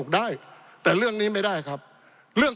ปี๑เกณฑ์ทหารแสน๒